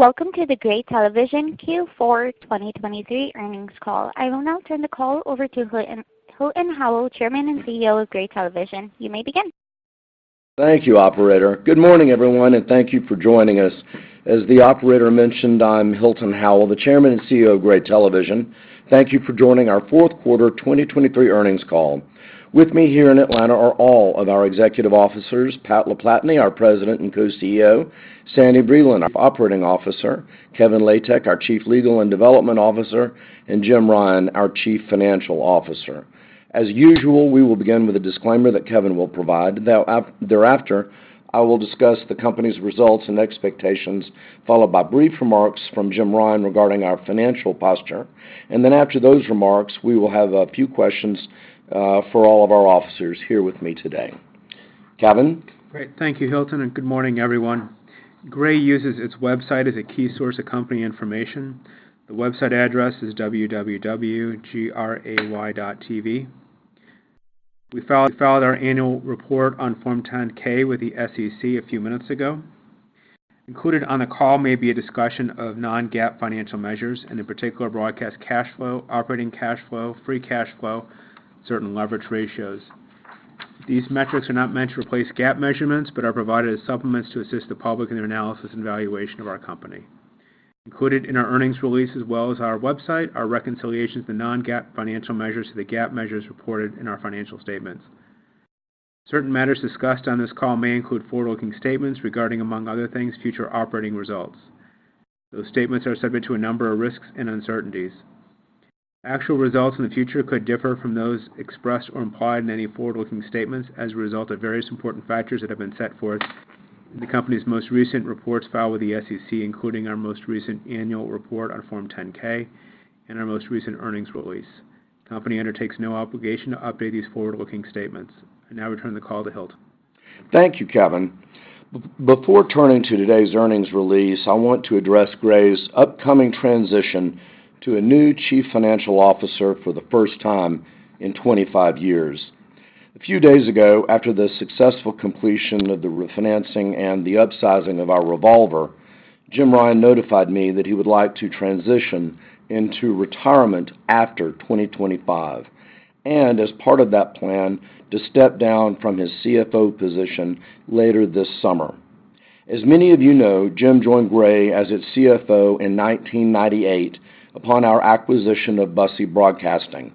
Welcome to the Gray Television Q4 2023 earnings call. I will now turn the call over to Hilton Howell, Chairman and CEO of Gray Television. You may begin. Thank you, Operator. Good morning, everyone, and thank you for joining us. As the Operator mentioned, I'm Hilton Howell, the Chairman and CEO of Gray Television. Thank you for joining our fourth quarter 2023 earnings call. With me here in Atlanta are all of our executive officers, Pat LaPlatney, our President and Co-CEO, Sandy Breland, Operating Officer, Kevin Latek, our Chief Legal and Development Officer, and Jim Ryan, our Chief Financial Officer. As usual, we will begin with a disclaimer that Kevin will provide. Thereafter, I will discuss the company's results and expectations, followed by brief remarks from Jim Ryan regarding our financial posture. Then after those remarks, we will have a few questions for all of our officers here with me today. Kevin? Great. Thank you, Hilton, and good morning, everyone. Gray uses its website as a key source of company information. The website address is www.gray.tv. We filed our annual report on Form 10-K with the SEC a few minutes ago. Included on the call may be a discussion of non-GAAP financial measures, and in particular, broadcast cash flow, operating cash flow, free cash flow, and certain leverage ratios. These metrics are not meant to replace GAAP measurements but are provided as supplements to assist the public in their analysis and evaluation of our company. Included in our earnings release, as well as our website, are reconciliations of the non-GAAP financial measures to the GAAP measures reported in our financial statements. Certain matters discussed on this call may include forward-looking statements regarding, among other things, future operating results. Those statements are subject to a number of risks and uncertainties. Actual results in the future could differ from those expressed or implied in any forward-looking statements as a result of various important factors that have been set forth in the company's most recent reports filed with the SEC, including our most recent annual report on Form 10-K and our most recent earnings release. The company undertakes no obligation to update these forward-looking statements. I now return the call to Hilton. Thank you, Kevin. Before turning to today's earnings release, I want to address Gray's upcoming transition to a new Chief Financial Officer for the first time in 25 years. A few days ago, after the successful completion of the refinancing and the upsizing of our revolver, Jim Ryan notified me that he would like to transition into retirement after 2025 and, as part of that plan, to step down from his CFO position later this summer. As many of you know, Jim joined Gray as its CFO in 1998 upon our acquisition of Busse Broadcasting,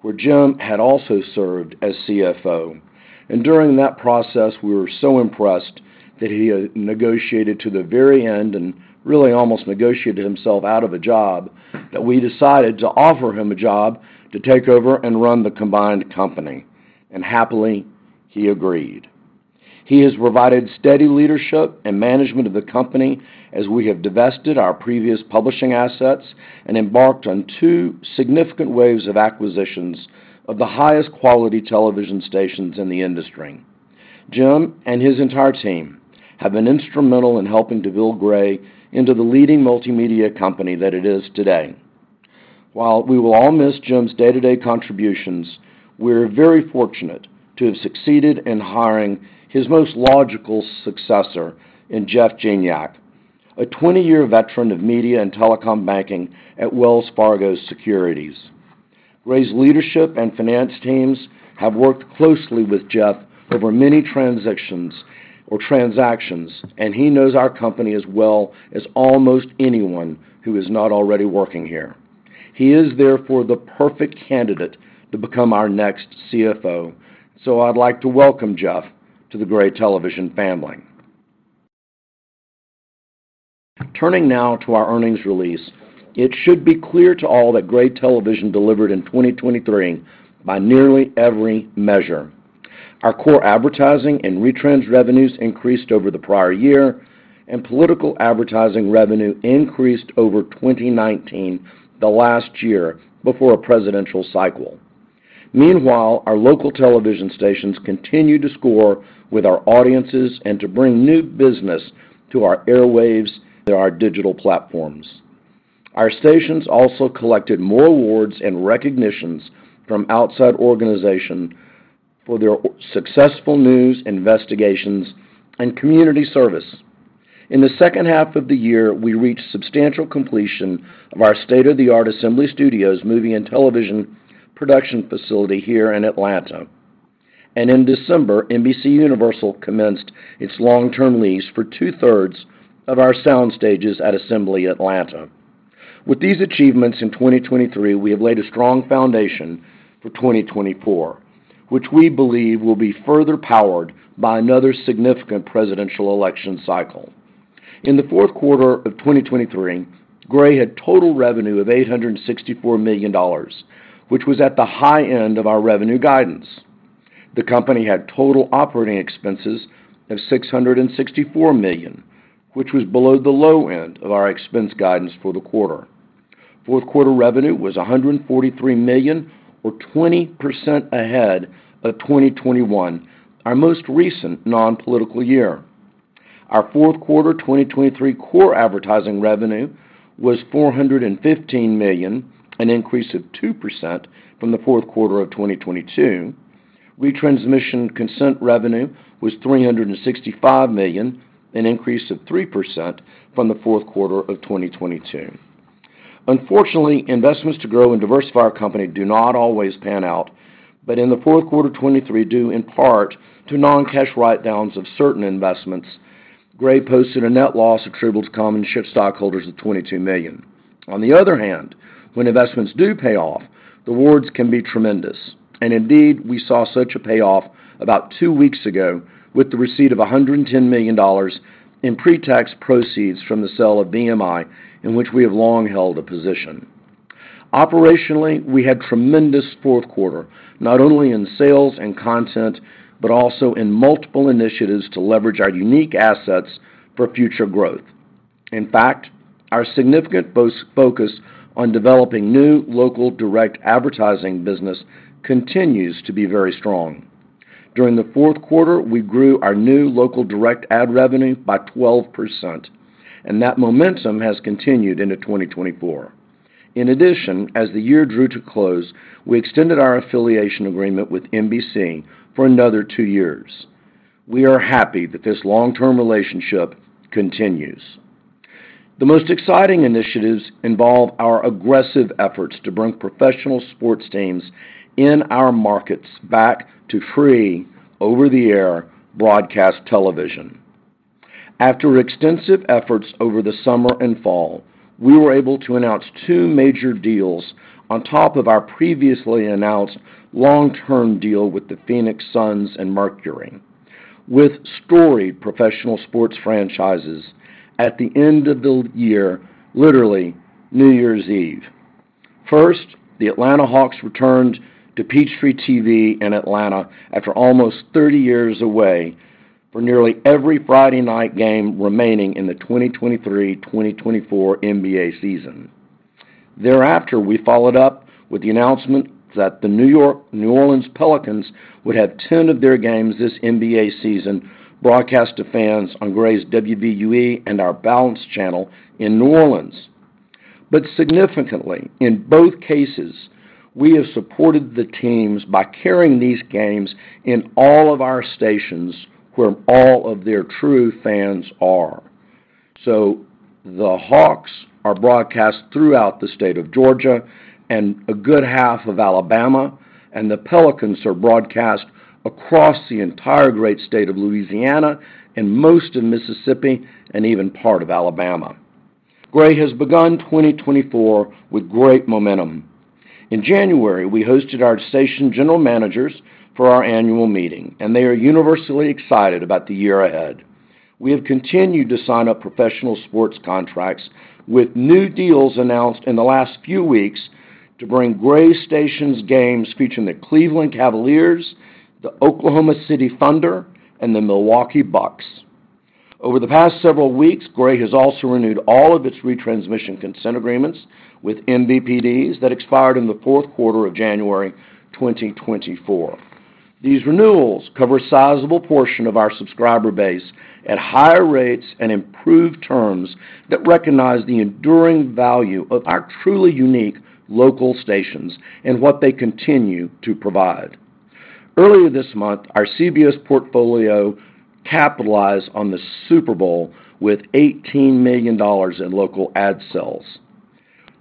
where Jim had also served as CFO. And during that process, we were so impressed that he negotiated to the very end and really almost negotiated himself out of a job that we decided to offer him a job to take over and run the combined company. And happily, he agreed. He has provided steady leadership and management of the company as we have divested our previous publishing assets and embarked on two significant waves of acquisitions of the highest-quality television stations in the industry. Jim and his entire team have been instrumental in helping to build Gray into the leading multimedia company that it is today. While we will all miss Jim's day-to-day contributions, we are very fortunate to have succeeded in hiring his most logical successor, Jeff Gignac, a 20-year veteran of media and telecom banking at Wells Fargo Securities. Gray's leadership and finance teams have worked closely with Jeff over many transactions, and he knows our company as well as almost anyone who is not already working here. He is, therefore, the perfect candidate to become our next CFO. So I'd like to welcome Jeff to the Gray Television family. Turning now to our earnings release, it should be clear to all that Gray Television delivered in 2023 by nearly every measure. Our core advertising and retrans revenues increased over the prior year, and political advertising revenue increased over 2019, the last year before a presidential cycle. Meanwhile, our local television stations continued to score with our audiences and to bring new business to our airwaves and our digital platforms. Our stations also collected more awards and recognitions from outside organizations for their successful news, investigations, and community service. In the second half of the year, we reached substantial completion of our state-of-the-art Assembly Studios movie and television production facility here in Atlanta. In December, NBCUniversal commenced its long-term lease for 2/3 of our sound stages at Assembly Atlanta. With these achievements in 2023, we have laid a strong foundation for 2024, which we believe will be further powered by another significant presidential election cycle. In the fourth quarter of 2023, Gray had total revenue of $864 million, which was at the high end of our revenue guidance. The company had total operating expenses of $664 million, which was below the low end of our expense guidance for the quarter. Fourth quarter revenue was $143 million, or 20% ahead of 2021, our most recent non-political year. Our fourth quarter 2023 core advertising revenue was $415 million, an increase of 2% from the fourth quarter of 2022. Retransmission consent revenue was $365 million, an increase of 3% from the fourth quarter of 2022. Unfortunately, investments to grow and diversify our company do not always pan out, but in the fourth quarter 2023, due in part to non-cash write-downs of certain investments, Gray posted a net loss attributable to common shareholders of $22 million. On the other hand, when investments do pay off, the rewards can be tremendous. And indeed, we saw such a payoff about two weeks ago with the receipt of $110 million in pretax proceeds from the sale of BMI, in which we have long held a position. Operationally, we had a tremendous fourth quarter, not only in sales and content but also in multiple initiatives to leverage our unique assets for future growth. In fact, our significant focus on developing new local direct advertising business continues to be very strong. During the fourth quarter, we grew our new local direct ad revenue by 12%, and that momentum has continued into 2024. In addition, as the year drew to close, we extended our affiliation agreement with NBC for another two years. We are happy that this long-term relationship continues. The most exciting initiatives involve our aggressive efforts to bring professional sports teams in our markets back to free, over-the-air broadcast television. After extensive efforts over the summer and fall, we were able to announce two major deals on top of our previously announced long-term deal with the Phoenix Suns and Mercury, with storied professional sports franchises at the end of the year, literally New Year's Eve. First, the Atlanta Hawks returned to Peachtree TV in Atlanta after almost 30 years away for nearly every Friday night game remaining in the 2023-2024 NBA season. Thereafter, we followed up with the announcement that the New Orleans Pelicans would have 10 of their games this NBA season broadcast to fans on Gray's WVUE and our Bounce channel in New Orleans. But significantly, in both cases, we have supported the teams by carrying these games in all of our stations where all of their true fans are. The Hawks are broadcast throughout the state of Georgia and a good half of Alabama, and the Pelicans are broadcast across the entire great state of Louisiana and most of Mississippi and even part of Alabama. Gray has begun 2024 with great momentum. In January, we hosted our station general managers for our annual meeting, and they are universally excited about the year ahead. We have continued to sign up professional sports contracts with new deals announced in the last few weeks to bring Gray stations' games featuring the Cleveland Cavaliers, the Oklahoma City Thunder, and the Milwaukee Bucks. Over the past several weeks, Gray has also renewed all of its retransmission consent agreements with MVPDs that expired in the fourth quarter of January 2024. These renewals cover a sizable portion of our subscriber base at higher rates and improved terms that recognize the enduring value of our truly unique local stations and what they continue to provide. Earlier this month, our CBS portfolio capitalized on the Super Bowl with $18 million in local ad sales.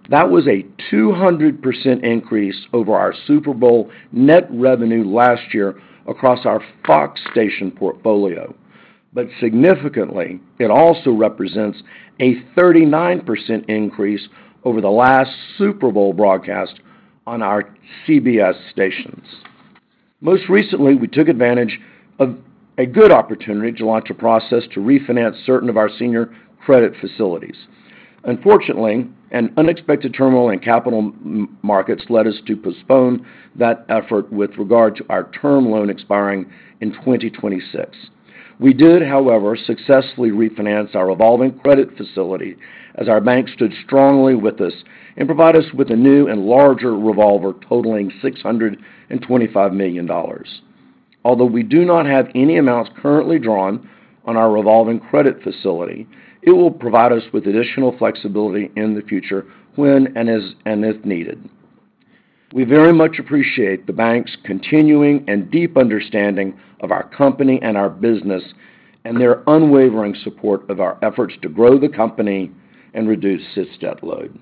That was a 200% increase over our Super Bowl net revenue last year across our Fox station portfolio. But significantly, it also represents a 39% increase over the last Super Bowl broadcast on our CBS stations. Most recently, we took advantage of a good opportunity to launch a process to refinance certain of our senior credit facilities. Unfortunately, an unexpected turmoil in capital markets led us to postpone that effort with regard to our term loan expiring in 2026. We did, however, successfully refinance our revolving credit facility as our bank stood strongly with us and provided us with a new and larger revolver totaling $625 million. Although we do not have any amounts currently drawn on our revolving credit facility, it will provide us with additional flexibility in the future when and if needed. We very much appreciate the bank's continuing and deep understanding of our company and our business and their unwavering support of our efforts to grow the company and reduce its debt load.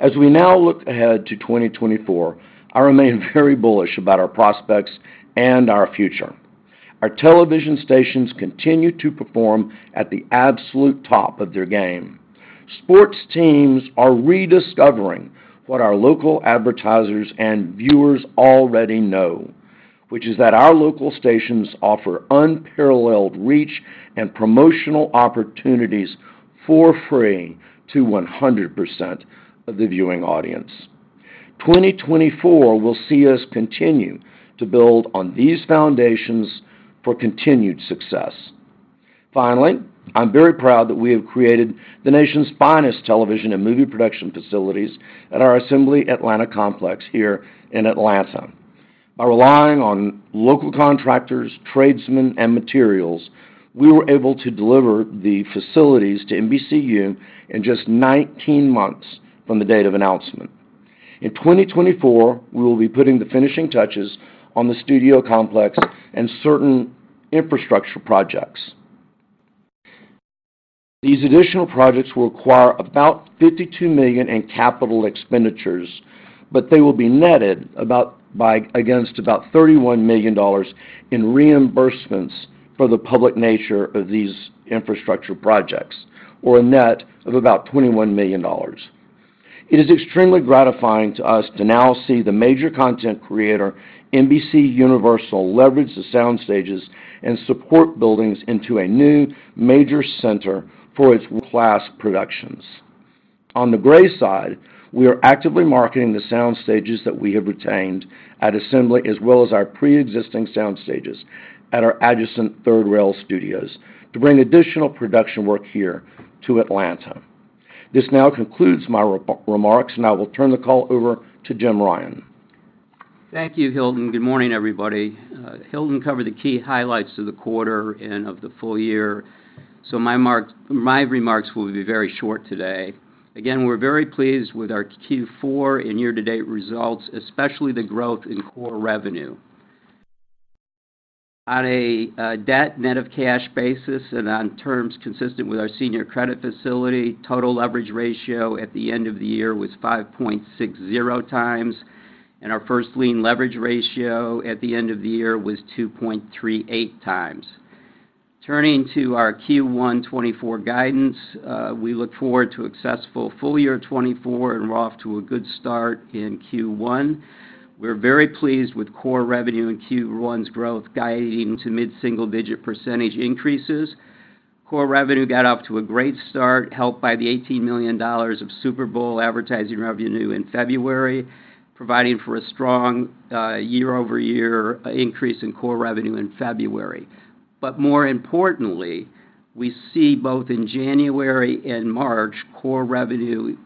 As we now look ahead to 2024, I remain very bullish about our prospects and our future. Our television stations continue to perform at the absolute top of their game. Sports teams are rediscovering what our local advertisers and viewers already know, which is that our local stations offer unparalleled reach and promotional opportunities for free to 100% of the viewing audience. 2024 will see us continue to build on these foundations for continued success. Finally, I'm very proud that we have created the nation's finest television and movie production facilities at our Assembly Atlanta complex here in Atlanta. By relying on local contractors, tradesmen, and materials, we were able to deliver the facilities to NBCU in just 19 months from the date of announcement. In 2024, we will be putting the finishing touches on the studio complex and certain infrastructure projects. These additional projects will require about $52 million in capital expenditures, but they will be netted against about $31 million in reimbursements for the public nature of these infrastructure projects, or a net of about $21 million. It is extremely gratifying to us to now see the major content creator, NBCUniversal, leverage the sound stages and support buildings into a new major center for its world-class productions. On the Gray side, we are actively marketing the sound stages that we have retained at Assembly as well as our pre-existing sound stages at our adjacent Third Rail Studios to bring additional production work here to Atlanta. This now concludes my remarks, and I will turn the call over to Jim Ryan. Thank you, Hilton. Good morning, everybody. Hilton covered the key highlights of the quarter and of the full year, so my remarks will be very short today. Again, we're very pleased with our Q4 and year-to-date results, especially the growth in core revenue. On a debt-net-of-cash basis and on terms consistent with our senior credit facility, total leverage ratio at the end of the year was 5.60x, and our first-lien leverage ratio at the end of the year was 2.38x. Turning to our Q1 2024 guidance, we look forward to a successful full year 2024 and we're off to a good start in Q1. We're very pleased with core revenue and Q1's growth guiding. To mid-single-digit % increases. Core revenue got off to a great start, helped by the $18 million of Super Bowl advertising revenue in February, providing for a strong year-over-year increase in core revenue in February. But more importantly, we see both in January and March, core revenue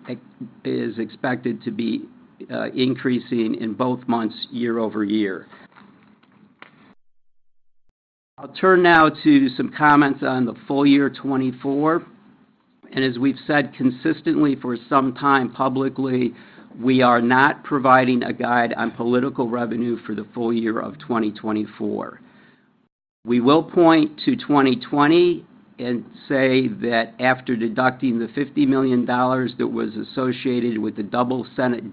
is expected to be increasing in both months year-over-year. I'll turn now to some comments on the full year 2024. As we've said consistently for some time publicly, we are not providing a guide on political revenue for the full year of 2024. We will point to 2020 and say that after deducting the $50 million that was associated with the double Senate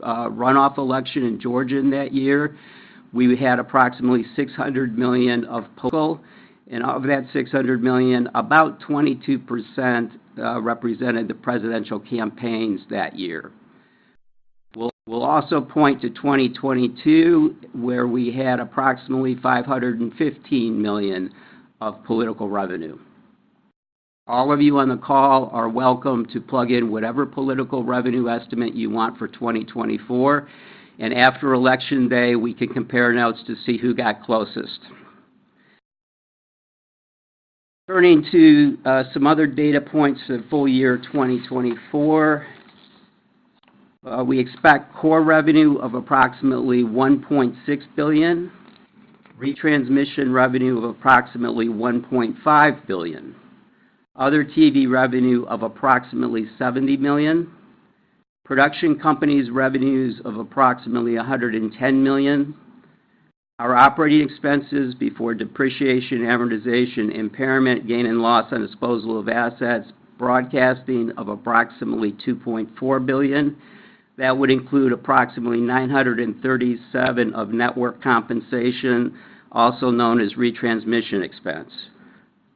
runoff election in Georgia that year, we had approximately $600 million of political revenue. Of that $600 million, about 22% represented the presidential campaigns that year. We'll also point to 2022, where we had approximately $515 million of political revenue. All of you on the call are welcome to plug in whatever political revenue estimate you want for 2024, and after Election Day, we can compare notes to see who got closest. Turning to some other data points for the full year 2024, we expect core revenue of approximately $1.6 billion, retransmission revenue of approximately $1.5 billion, other TV revenue of approximately $70 million, production companies' revenues of approximately $110 million, our operating expenses before depreciation, amortization, impairment, gain and loss on disposal of assets, broadcasting of approximately $2.4 billion. That would include approximately $937 of network compensation, also known as retransmission expense.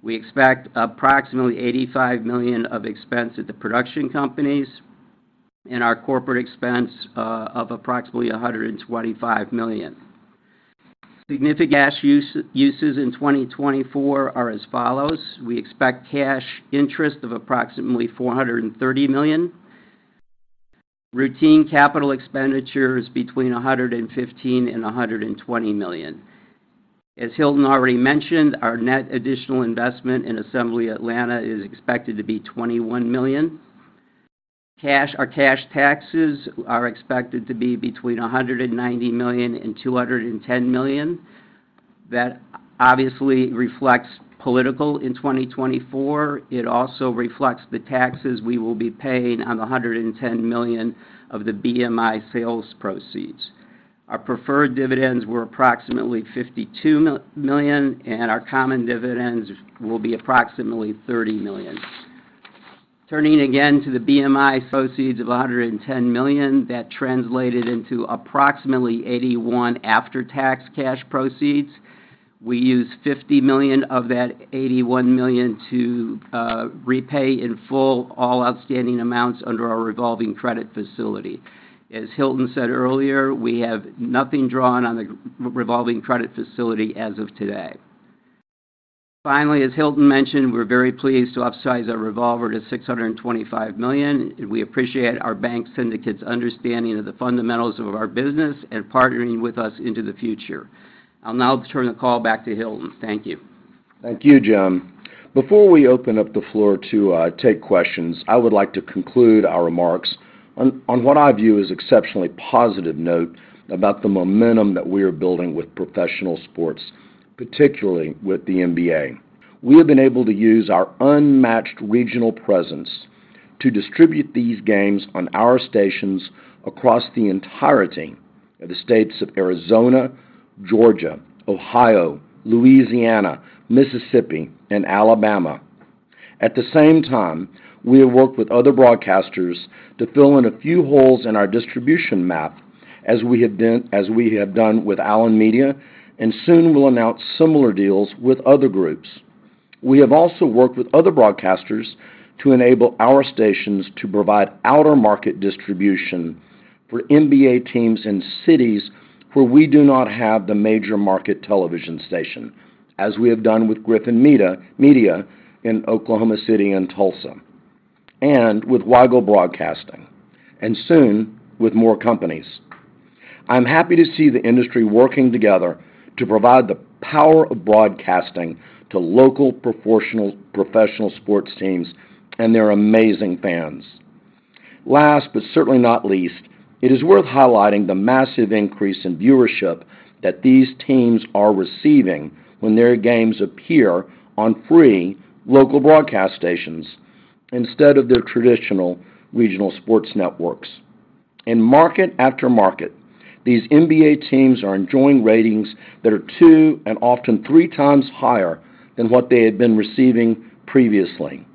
We expect approximately $85 million of expense at the production companies and our corporate expense of approximately $125 million. Significant cash uses in 2024 are as follows. We expect cash interest of approximately $430 million. Routine capital expenditures between $115 million-$120 million. As Hilton already mentioned, our net additional investment in Assembly Atlanta is expected to be $21 million. Our cash taxes are expected to be between $190 million-$210 million. That obviously reflects political in 2024. It also reflects the taxes we will be paying on the $110 million of the BMI sales proceeds. Our preferred dividends were approximately $52 million, and our common dividends will be approximately $30 million. Turning again to the BMI proceeds of $110 million, that translated into approximately $81 million after-tax cash proceeds. We use $50 million of that $81 million to repay in full all outstanding amounts under our Revolving Credit Facility. As Hilton said earlier, we have nothing drawn on the Revolving Credit Facility as of today. Finally, as Hilton mentioned, we're very pleased to upsize our revolver to $625 million, and we appreciate our bank syndicate's understanding of the fundamentals of our business and partnering with us into the future. I'll now turn the call back to Hilton. Thank you. Thank you, Jim. Before we open up the floor to take questions, I would like to conclude our remarks on what I view as an exceptionally positive note about the momentum that we are building with professional sports, particularly with the NBA. We have been able to use our unmatched regional presence to distribute these games on our stations across the entirety of the states of Arizona, Georgia, Ohio, Louisiana, Mississippi, and Alabama. At the same time, we have worked with other broadcasters to fill in a few holes in our distribution map as we have done with Allen Media, and soon will announce similar deals with other groups. We have also worked with other broadcasters to enable our stations to provide outer-market distribution for NBA teams in cities where we do not have the major market television station, as we have done with Griffin Media in Oklahoma City and Tulsa, and with Weigel Broadcasting, and soon with more companies. I'm happy to see the industry working together to provide the power of broadcasting to local professional sports teams and their amazing fans. Last but certainly not least, it is worth highlighting the massive increase in viewership that these teams are receiving when their games appear on free local broadcast stations instead of their traditional regional sports networks. In market after market, these NBA teams are enjoying ratings that are two and often 3x higher than what they had been receiving previously.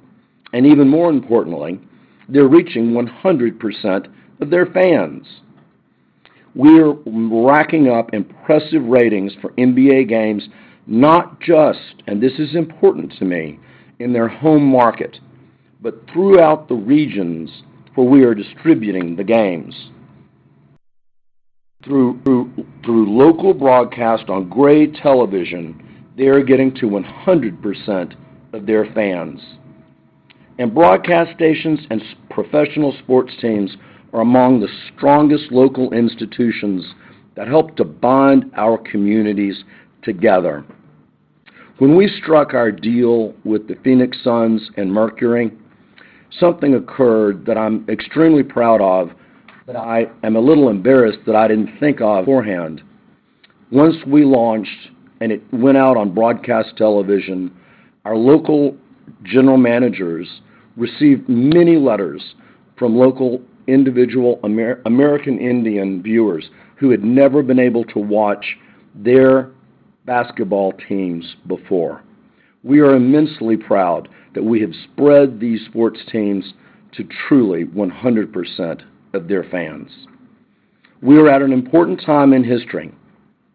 Even more importantly, they're reaching 100% of their fans. We are racking up impressive ratings for NBA games, not just and this is important to me, in their home market, but throughout the regions where we are distributing the games. Through local broadcast on Gray Television, they are getting to 100% of their fans. Broadcast stations and professional sports teams are among the strongest local institutions that help to bind our communities together. When we struck our deal with the Phoenix Suns and Mercury, something occurred that I'm extremely proud of, but I am a little embarrassed that I didn't think of beforehand. Once we launched and it went out on broadcast television, our local general managers received many letters from local individual American Indian viewers who had never been able to watch their basketball teams before. We are immensely proud that we have spread these sports teams to truly 100% of their fans. We are at an important time in history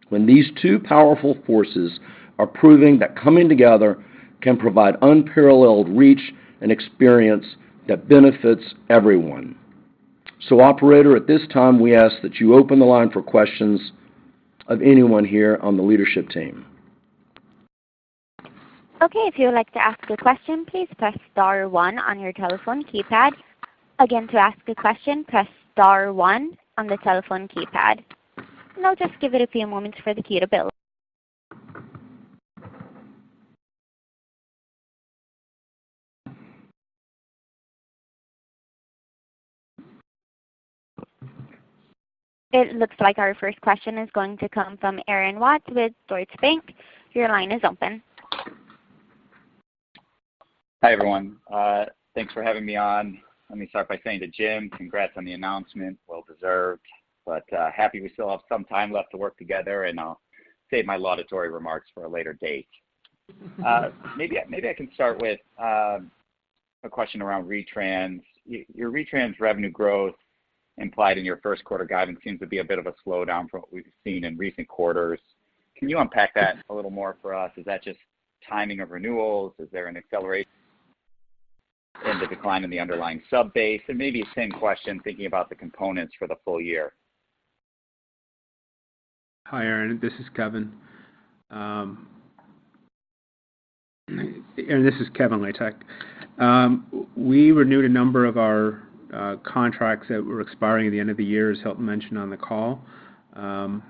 when these two powerful forces are proving that coming together can provide unparalleled reach and experience that benefits everyone. So, operator, at this time, we ask that you open the line for questions of anyone here on the leadership team. Okay. If you would like to ask a question, please press star one on your telephone keypad. Again, to ask a question, press star one on the telephone keypad. And I'll just give it a few moments for the queue to build. It looks like our first question is going to come from Aaron Watts with Deutsche Bank. Your line is open. Hi, everyone. Thanks for having me on. Let me start by saying to Jim, congrats on the announcement. Well-deserved. But happy we still have some time left to work together, and I'll save my laudatory remarks for a later date. Maybe I can start with a question around retrans. Your retrans revenue growth implied in your first quarter guidance seems to be a bit of a slowdown from what we've seen in recent quarters. Can you unpack that a little more for us? Is that just timing of renewals? Is there an acceleration in the decline in the underlying sub base? And maybe the same question, thinking about the components for the full year. Hi, Aaron. This is Kevin. Aaron, this is Kevin Latek. We renewed a number of our contracts that were expiring at the end of the year, as Hilton mentioned on the call, and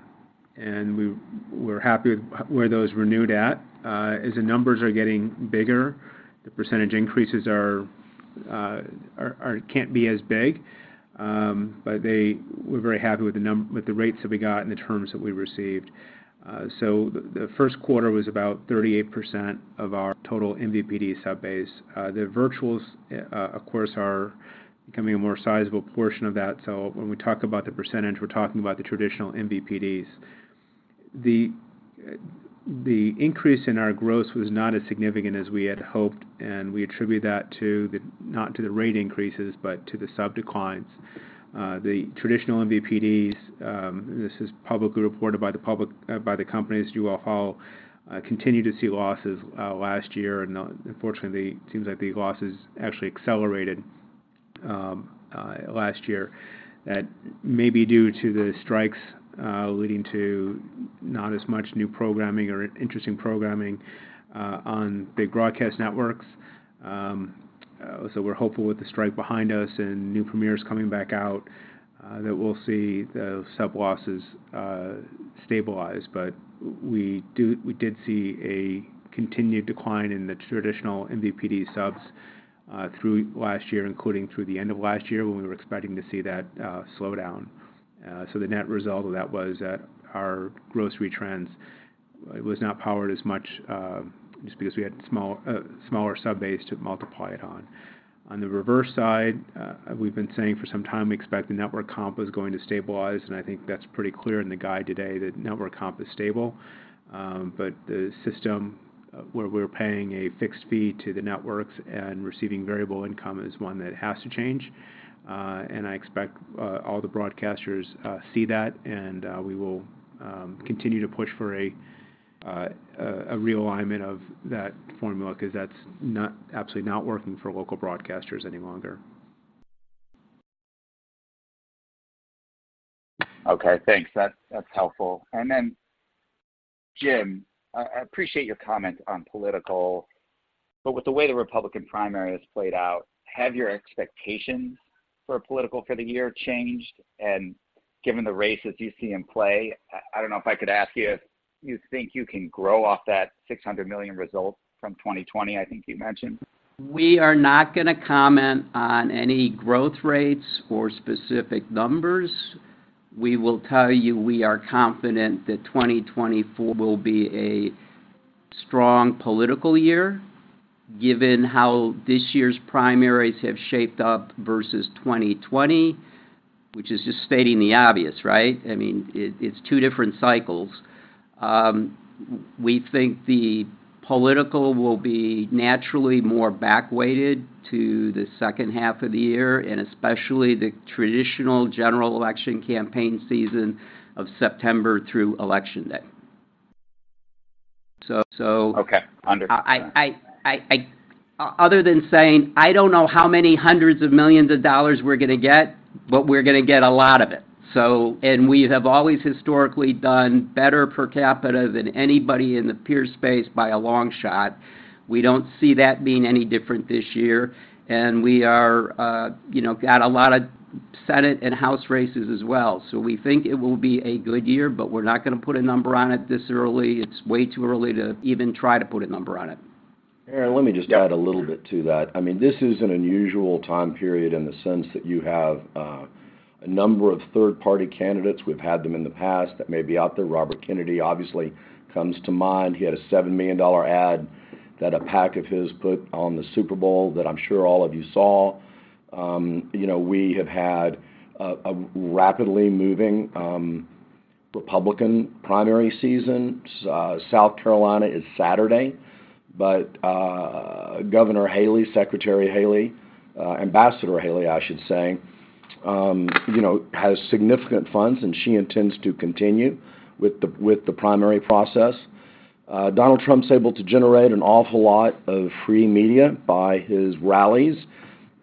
we're happy with where those renewed at. As the numbers are getting bigger, the percentage increases can't be as big, but we're very happy with the rates that we got and the terms that we received. So the first quarter was about 38% of our total MVPD sub base. The virtuals, of course, are becoming a more sizable portion of that, so when we talk about the percentage, we're talking about the traditional MVPDs. The increase in our growth was not as significant as we had hoped, and we attribute that not to the rate increases but to the sub declines. The traditional MVPDs, and this is publicly reported by the companies you all follow, continued to see losses last year, and unfortunately, it seems like the losses actually accelerated last year. That may be due to the strikes leading to not as much new programming or interesting programming on big broadcast networks. We're hopeful with the strike behind us and new premieres coming back out that we'll see the sub-losses stabilize. But we did see a continued decline in the traditional MVPD subs through last year, including through the end of last year when we were expecting to see that slowdown. So the net result of that was that our gross retrans was not powered as much just because we had a smaller sub base to multiply it on. On the reverse side, we've been saying for some time we expect the network comp is going to stabilize, and I think that's pretty clear in the guide today, that network comp is stable. But the system where we're paying a fixed fee to the networks and receiving variable income is one that has to change. And I expect all the broadcasters see that, and we will continue to push for a realignment of that formula because that's absolutely not working for local broadcasters any longer. Okay. Thanks. That's helpful. And then, Jim, I appreciate your comment on political, but with the way the Republican primary has played out, have your expectations for political for the year changed? And given the races you see in play, I don't know if I could ask you if you think you can grow off that $600 million result from 2020, I think you mentioned. We are not going to comment on any growth rates or specific numbers. We will tell you we are confident that 2024 will be a strong political year given how this year's primaries have shaped up versus 2020, which is just stating the obvious, right? I mean, it's two different cycles. We think the political will be naturally more backweighted to the second half of the year and especially the traditional general election campaign season of September through Election Day. So. Okay. Understood. Other than saying, I don't know how many hundreds of millions of dollars we're going to get, but we're going to get a lot of it. We have always historically done better per capita than anybody in the peer space by a long shot. We don't see that being any different this year, and we got a lot of Senate and House races as well. So we think it will be a good year, but we're not going to put a number on it this early. It's way too early to even try to put a number on it. Aaron, let me just add a little bit to that. I mean, this is an unusual time period in the sense that you have a number of third-party candidates. We've had them in the past that may be out there. Robert Kennedy, obviously, comes to mind. He had a $7 million ad that a PAC of his put on the Super Bowl that I'm sure all of you saw. We have had a rapidly moving Republican primary season. South Carolina is Saturday, but Governor Haley, Secretary Haley, Ambassador Haley, I should say, has significant funds, and she intends to continue with the primary process. Donald Trump's able to generate an awful lot of free media by his rallies,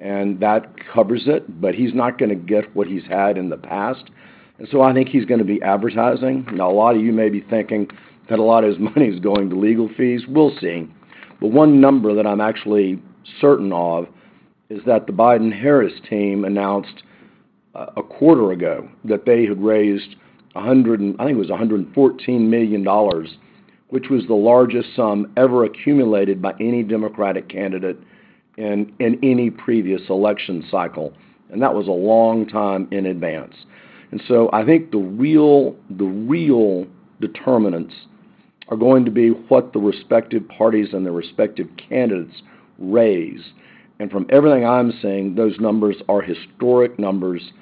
and that covers it, but he's not going to get what he's had in the past. And so I think he's going to be advertising. Now, a lot of you may be thinking that a lot of his money is going to legal fees. We'll see. But one number that I'm actually certain of is that the Biden-Harris team announced a quarter ago that they had raised a hundred and I think it was $114 million, which was the largest sum ever accumulated by any Democratic candidate in any previous election cycle. That was a long time in advance. And so I think the real determinants are going to be what the respective parties and their respective candidates raise. And from everything I'm saying, those numbers are historic numbers, and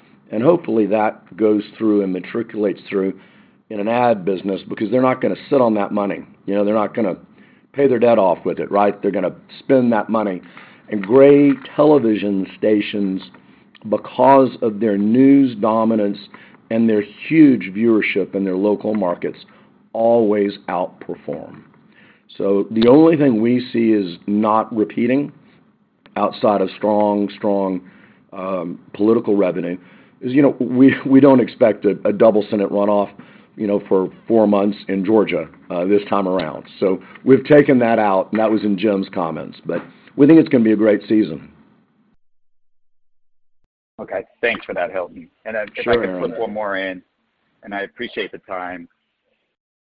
hopefully, that goes through and matriculates through in an ad business because they're not going to sit on that money. They're not going to pay their debt off with it, right? They're going to spend that money. Gray Television stations, because of their news dominance and their huge viewership in their local markets, always outperform. The only thing we see is not repeating outside of strong, strong political revenue is we don't expect a double Senate runoff for four months in Georgia this time around. We've taken that out, and that was in Jim's comments. We think it's going to be a great season. Okay. Thanks for that, Hilton. If I could flip one more in, and I appreciate the time.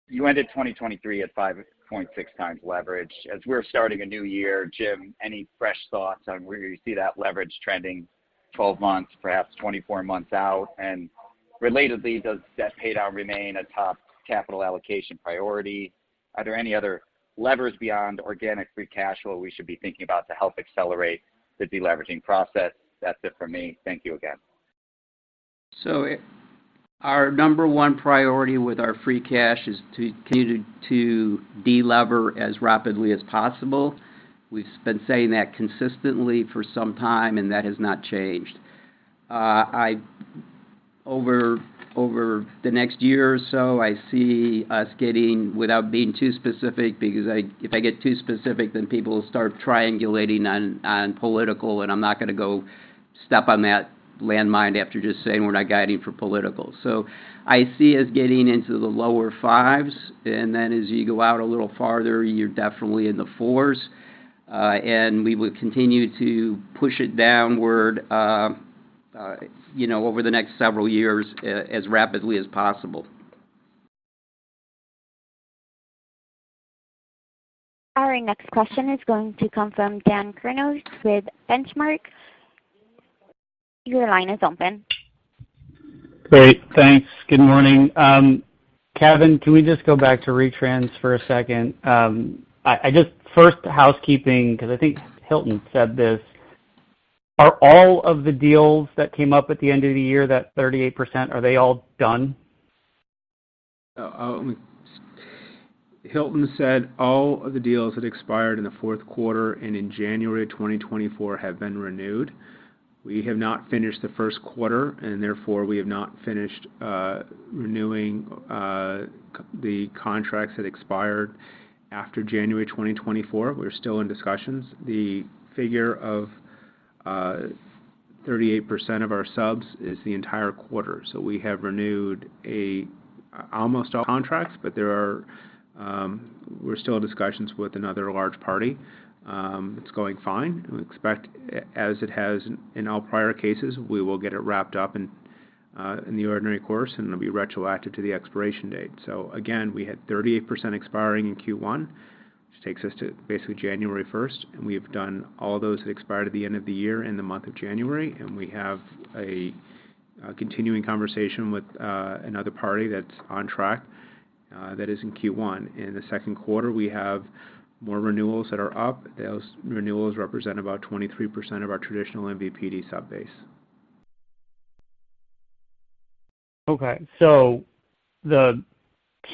You ended 2023 at 5.6x leverage. As we're starting a new year, Jim, any fresh thoughts on where you see that leverage trending 12 months, perhaps 24 months out? Relatedly, does debt paid out remain a top capital allocation priority? Are there any other levers beyond organic free cash flow we should be thinking about to help accelerate the deleveraging process? That's it from me. Thank you again. Our number one priority with our free cash is to use to delever as rapidly as possible. We've been saying that consistently for some time, and that has not changed. Over the next year or so, I see us getting, without being too specific because if I get too specific, then people will start triangulating on political, and I'm not going to go step on that landmine after just saying we're not guiding for political. I see us getting into the lower fives, and then as you go out a little farther, you're definitely in the fours. And we will continue to push it downward over the next several years as rapidly as possible. Our next question is going to come from Dan Kurnos with Benchmark. Your line is open. Great. Thanks. Good morning. Kevin, can we just go back to retrans for a second? First, housekeeping because I think Hilton said this. Are all of the deals that came up at the end of the year, that 38%, are they all done? Hilton said all of the deals that expired in the fourth quarter and in January of 2024 have been renewed. We have not finished the first quarter, and therefore, we have not finished renewing the contracts that expired after January 2024. We're still in discussions. The figure of 38% of our subs is the entire quarter. So we have renewed almost all contracts, but we're still in discussions with another large party. It's going fine. As it has in all prior cases, we will get it wrapped up in the ordinary course, and it'll be retroactive to the expiration date. So again, we had 38% expiring in Q1, which takes us to basically January 1st. And we have done all those that expired at the end of the year in the month of January, and we have a continuing conversation with another party that's on track that is in Q1. In the second quarter, we have more renewals that are up. Those renewals represent about 23% of our traditional MVPD sub base. Okay. So the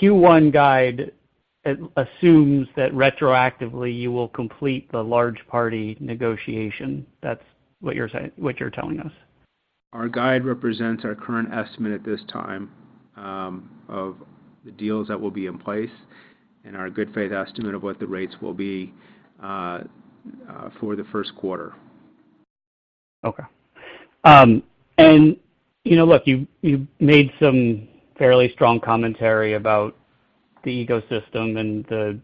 Q1 guide assumes that retroactively, you will complete the large-party negotiation. That's what you're telling us? Our guide represents our current estimate at this time of the deals that will be in place and our good faith estimate of what the rates will be for the first quarter. Okay. Look, you made some fairly strong commentary about the ecosystem and the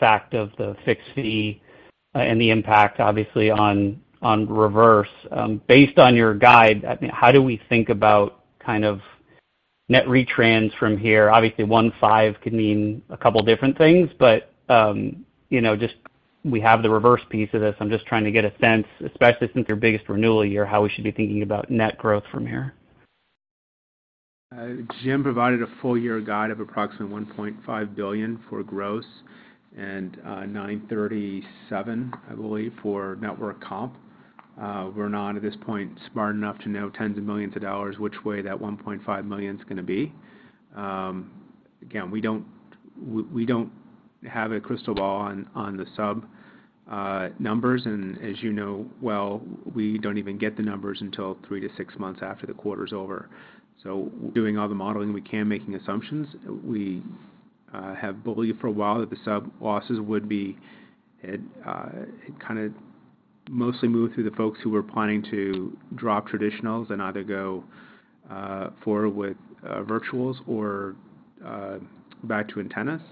fact of the fixed fee and the impact, obviously, on reverse. Based on your guide, how do we think about kind of net retrans from here? Obviously, $1.5 could mean a couple of different things, but just we have the reverse piece of this. I'm just trying to get a sense, especially since your biggest renewal year, how we should be thinking about net growth from here. Jim provided a full-year guide of approximately $1.5 billion for gross and $937 million, I believe, for network comp. We're not, at this point, smart enough to know tens of millions of dollars which way that $1.5 million's going to be. Again, we don't have a crystal ball on the sub numbers, and as you know well, we don't even get the numbers until three to six months after the quarter's over. So doing all the modeling, we can make assumptions. We have believed for a while that the sub-losses would be it kind of mostly moved through the folks who were planning to drop traditionals and either go forward with virtuals or back to antennas.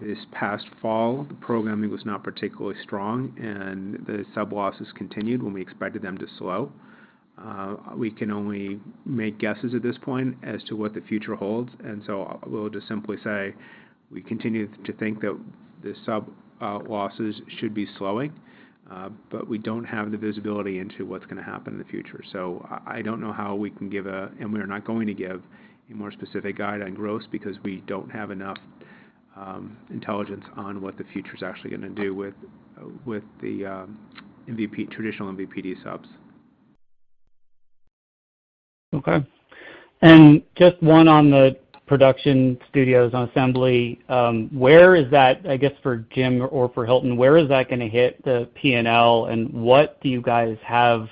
This past fall, the programming was not particularly strong, and the sub-losses continued when we expected them to slow. We can only make guesses at this point as to what the future holds, and so we'll just simply say we continue to think that the sub-losses should be slowing, but we don't have the visibility into what's going to happen in the future. So I don't know how we can give a and we are not going to give a more specific guide on gross because we don't have enough intelligence on what the future's actually going to do with the MVPD traditional MVPD subs. Okay. And just one on the production studios, on Assembly. I guess for Jim or for Hilton, where is that going to hit the P&L, and what do you guys have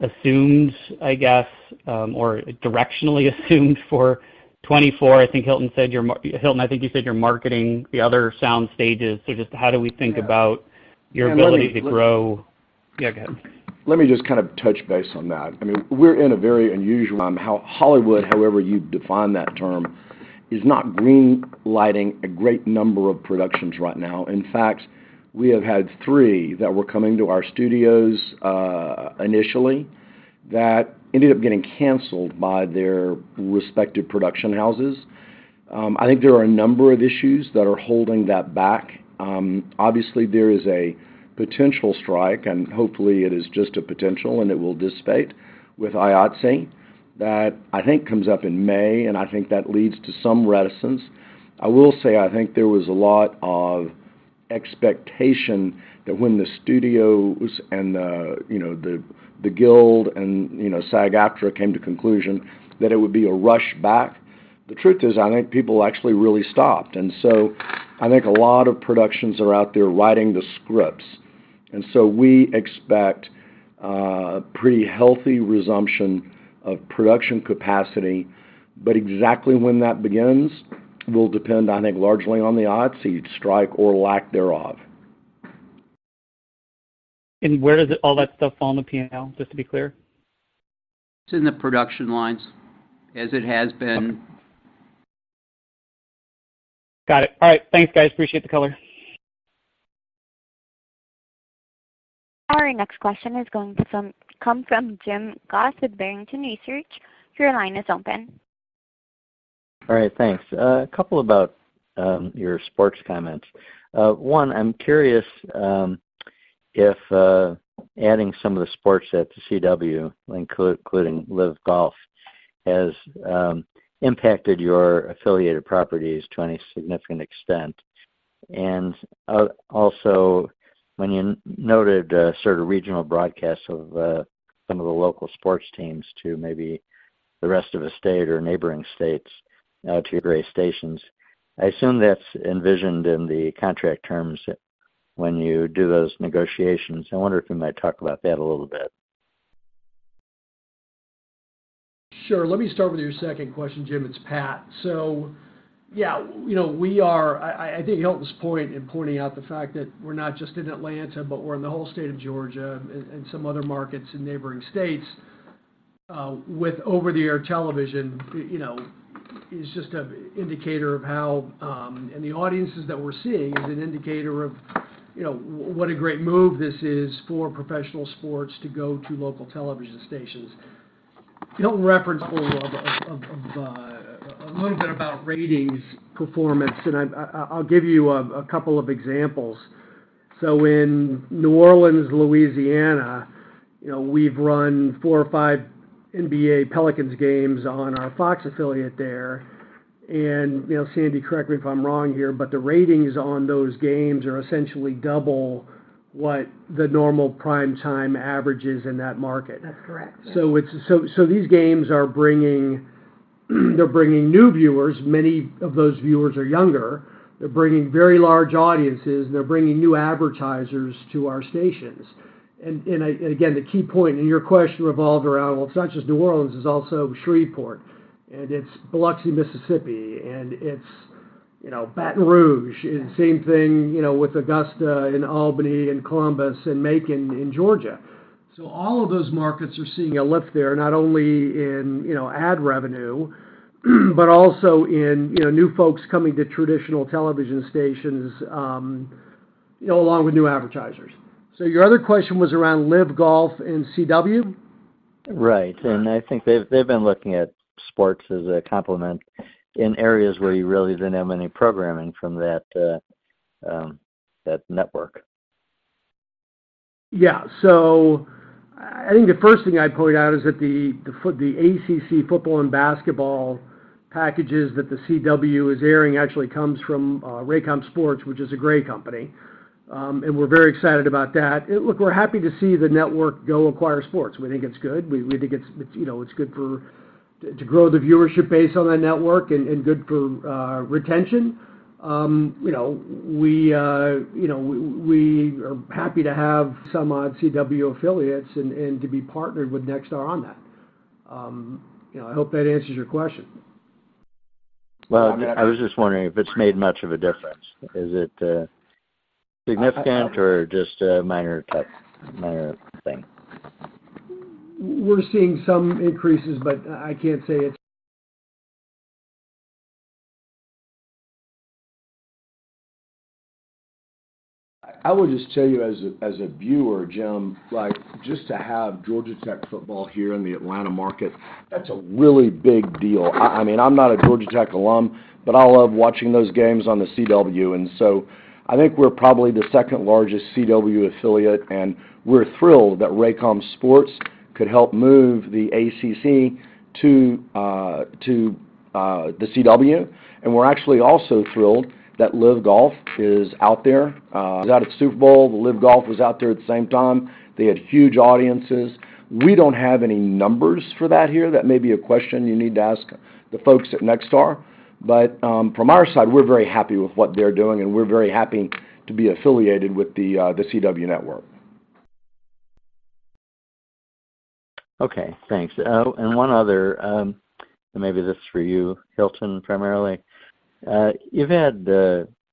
assumed, I guess, or directionally assumed for 2024? I think Hilton said you're Hilton, I think you said you're marketing the other sound stages. So just how do we think about your ability to grow? Yeah, go ahead. Let me just kind of touch base on that. I mean, we're in a very unusual. Hollywood, however you define that term, is not greenlighting a great number of productions right now. In fact, we have had three that were coming to our studios initially that ended up getting canceled by their respective production houses. I think there are a number of issues that are holding that back. Obviously, there is a potential strike, and hopefully, it is just a potential, and it will dissipate with IATSE that I think comes up in May, and I think that leads to some reticence. I will say I think there was a lot of expectation that when the studios and the guild and SAG-AFTRA came to conclusion that it would be a rush back, the truth is I think people actually really stopped. I think a lot of productions are out there writing the scripts, and so we expect a pretty healthy resumption of production capacity. But exactly when that begins will depend, I think, largely on the IATSE strike or lack thereof. Where does all that stuff fall in the P&L, just to be clear? It's in the production lines as it has been. Got it. All right. Thanks, guys. Appreciate the color. Our next question is going to come from Jim Goss with Barrington Research. Your line is open. All right. Thanks. A couple about your sports comments. One, I'm curious if adding some of the sports at the CW, including LIV Golf, has impacted your affiliated properties to any significant extent. And also, when you noted sort of regional broadcasts of some of the local sports teams to maybe the rest of the state or neighboring states to your Gray stations, I assume that's envisioned in the contract terms when you do those negotiations. I wonder if you might talk about that a little bit. Sure. Let me start with your second question, Jim. It's Pat. So yeah, we are I think Hilton's point in pointing out the fact that we're not just in Atlanta, but we're in the whole state of Georgia and some other markets in neighboring states with over-the-air television is just an indicator of how and the audiences that we're seeing is an indicator of what a great move this is for professional sports to go to local television stations. Hilton referenced a couple of a little bit about ratings performance, and I'll give you a couple of examples. So in New Orleans, Louisiana, we've run four or five NBA Pelicans games on our FOX affiliate there. And Sandy, correct me if I'm wrong here, but the ratings on those games are essentially double what the normal prime-time average is in that market. That's correct. These games are bringing new viewers. Many of those viewers are younger. They're bringing very large audiences, and they're bringing new advertisers to our stations. And again, the key point in your question revolved around, "Well, it's not just New Orleans. It's also Shreveport, and it's Biloxi, Mississippi, and it's Baton Rouge." And same thing with Augusta and Albany and Columbus and Macon in Georgia. All of those markets are seeing a lift there, not only in ad revenue but also in new folks coming to traditional television stations along with new advertisers. So your other question was around LIV Golf in CW? Right. I think they've been looking at sports as a complement in areas where you really didn't have any programming from that network. Yeah. So I think the first thing I'd point out is that the ACC football and basketball packages that the CW is airing actually comes from Raycom Sports, which is a Gray company, and we're very excited about that. Look, we're happy to see the network go acquire sports. We think it's good. We think it's good to grow the viewership base on that network and good for retention. We are happy to have some CW affiliates and to be partnered with Nexstar on that. I hope that answers your question. Well, I was just wondering if it's made much of a difference. Is it significant or just a minor thing? We're seeing some increases, but I can't say it's. I will just tell you as a viewer, Jim, just to have Georgia Tech football here in the Atlanta market, that's a really big deal. I mean, I'm not a Georgia Tech alum, but I love watching those games on the CW. And so I think we're probably the second-largest CW affiliate, and we're thrilled that Raycom Sports could help move the ACC to the CW. We're actually also thrilled that LIV Golf is out there. At its Super Bowl, the LIV Golf was out there at the same time. They had huge audiences. We don't have any numbers for that here. That may be a question you need to ask the folks at Nexstar. But from our side, we're very happy with what they're doing, and we're very happy to be affiliated with the CW Network. Okay. Thanks. And one other, and maybe this is for you, Hilton, primarily. You've had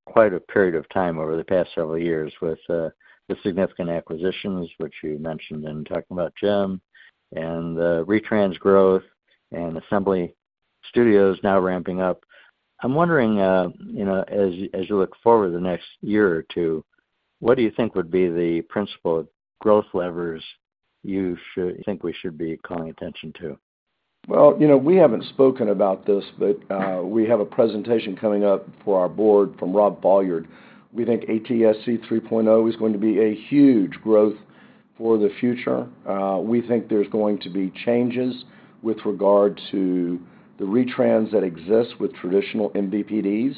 quite a period of time over the past several years with the significant acquisitions, which you mentioned in talking about Jim, and the retrans growth and Assembly Studios now ramping up. I'm wondering, as you look forward the next year or two, what do you think would be the principal growth levers you think we should be calling attention to? Well, we haven't spoken about this, but we have a presentation coming up for our board from Rob Folliard. We think ATSC 3.0 is going to be a huge growth for the future. We think there's going to be changes with regard to the retrans that exist with traditional MVPDs